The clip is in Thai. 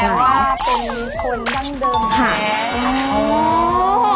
วาลาแปลว่าเป็นคนดั้งเดิมแม่